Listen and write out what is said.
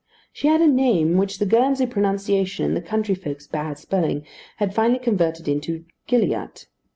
She had a name which the Guernsey pronunciation and the country folks' bad spelling had finally converted into "Gilliatt."